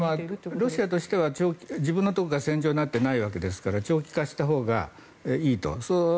ロシアとしては自分のところが戦場になってないわけですから長期化したほうがいいと。